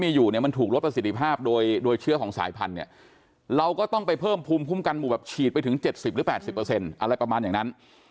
มี๗๐หรือ๘๐อะไรประมาณอย่างนั้น